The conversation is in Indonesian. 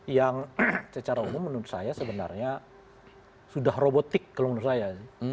yang secara umum menurut saya sebenarnya sudah robotik kalau menurut saya sih